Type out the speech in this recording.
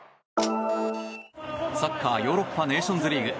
サッカー、ヨーロッパネーションズリーグ。